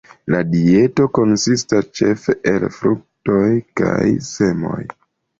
La dieto konsistas ĉefe el fruktoj kaj semoj.